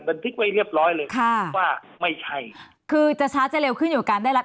บันทึกไว้เรียบร้อยเลยค่ะว่าไม่ใช่คือจะช้าจะเร็วขึ้นอยู่กับการได้รับ